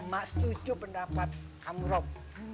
mak setuju pendapat kamu rob